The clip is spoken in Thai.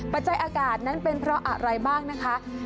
ปัจจัยอากาศนั้นเป็นเพราะอะไรบ้างนะคะ